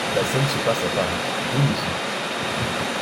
La scène se passe à Paris, de nos jours.